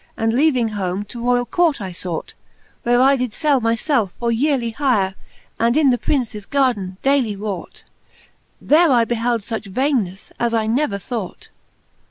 And leaving home, to roiall court I fought ; Where I did fell my felfe for yearely hire, And in the Princes gardin daily wrought: There I behelde fuch vainenefTe, as I never thought.